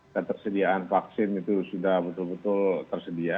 ketersediaan vaksin itu sudah betul betul tersedia